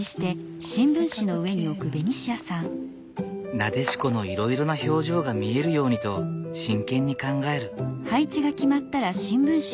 ナデシコのいろいろな表情が見えるようにと真剣に考える。